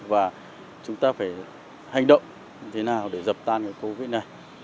và chúng ta phải hành động thế nào để dập tan cái covid này